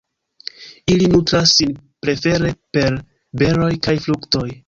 Ili nutras sin prefere per beroj kaj fruktoj.